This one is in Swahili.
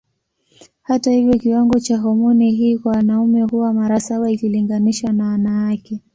Hata hivyo kiwango cha homoni hii kwa wanaume huwa mara saba ikilinganishwa na wanawake.